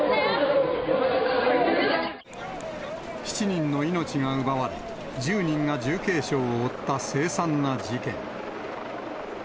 ７人の命が奪われ、１０人が重軽傷を負った凄惨な事件。